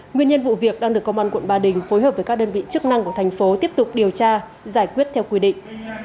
nguyên nhân vụ việc đang được công an quận ba đình phối hợp với các đơn vị chức năng của thành phố tiếp tục điều tra giải quyết theo quy định